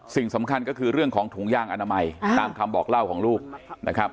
สิ่งสำคัญก็คือเรื่องของถุงยางอนามัยตามคำบอกเล่าของลูกนะครับ